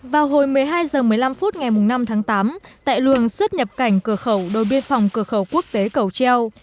vào hồi một mươi hai h một mươi năm phút ngày năm tháng tám tại luồng xuất nhập cảnh cửa khẩu đối biên phòng cửa khẩu quốc tế cầu treo